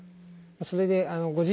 それでご自身